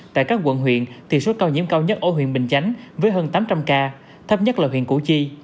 tại các quận huyện tỷ suất cao nhiễm cao nhất ở huyện bình chánh với hơn tám trăm linh ca thấp nhất là huyện củ chi